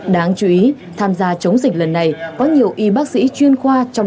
đáng chú ý tham gia chống dịch lần này có nhiều y bác sĩ chuyên khoa trong